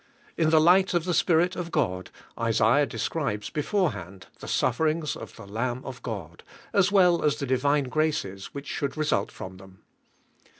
In the light of the Spirit of God, Isaiah de scribes beforehand the sufferings of the Lamb of Grid, as well as tin; divine graces which should result from them.